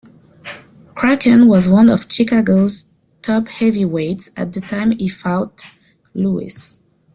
Kracken was one of Chicago's top heavyweights at the time he fought Louis.